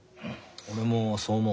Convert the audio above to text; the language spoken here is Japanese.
俺もそう思う。